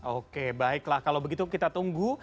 oke baiklah kalau begitu kita tunggu